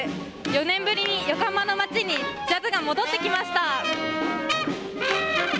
４年ぶりに横浜の街にジャズが戻ってきました。